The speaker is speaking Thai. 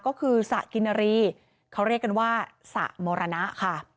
ก็คือสระกินรีเขาเรียกกันว่าสระมรณะค่ะ